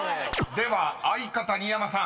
⁉［では相方新山さん